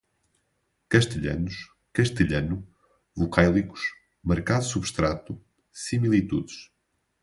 castelhanos, castelhano, vocáilicos, marcado substrato, similitudes